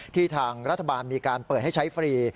ทางรัฐบาลมีการเปิดให้ใช้ฟรี